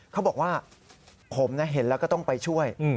เขาบอกว่าผมเห็นแล้วก็ต้องไปช่วย